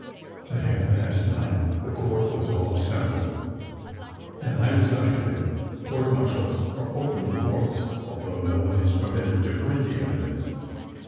At half past nine, the court was all assembled, and I was ushered in. Court martials are open courts, although no one is permitted to print the evidence.